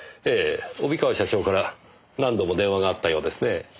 ええ帯川社長から何度も電話があったようですねえ。